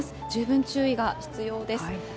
十分注意が必要です。